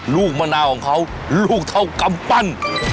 ลูกมะนาวของเขาลูกเท่ากำปั้น